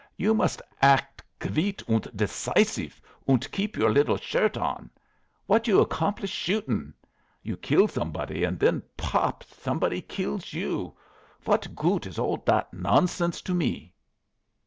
You must act kviet und decisif und keep your liddle shirt on. What you accomplish shootin'? You kill somebody, und then, pop! somebody kills you. What goot is all that nonsense to me?"